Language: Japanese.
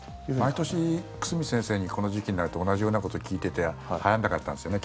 毎年、久住先生にこの時期になると同じようなことを聞いててはやんなかったんですよね